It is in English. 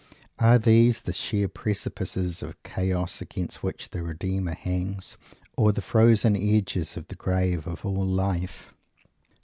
Are these the sheer precipices of Chaos, against which the Redeemer hangs, or the frozen edges of the grave of all life?